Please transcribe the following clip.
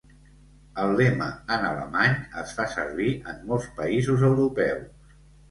El lema en alemany es fa servir en molts països europeus.